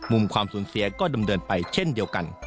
ความสูญเสียก็ดำเนินไปเช่นเดียวกัน